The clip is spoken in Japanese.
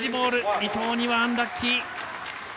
伊藤にはアンラッキー。